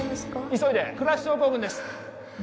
急いでクラッシュ症候群です